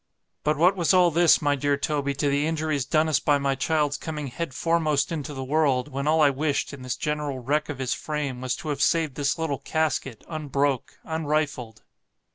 But what was all this, my dear Toby, to the injuries done us by my child's coming head foremost into the world, when all I wished, in this general wreck of his frame, was to have saved this little casket unbroke, unrifled.